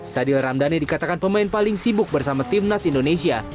sadil ramdhani dikatakan pemain paling sibuk bersama timnas indonesia